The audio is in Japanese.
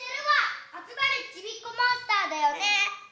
「ちびっこモンスター」だよね？